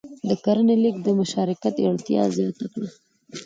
د کرنې لېږد د مشارکت اړتیا زیاته کړه.